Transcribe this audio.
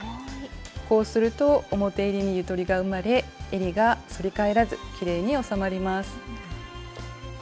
こうすると表えりにゆとりが生まれえりが反り返らずきれいに収まります。